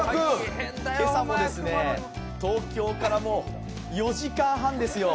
今朝は東京からもう４時間半ですよ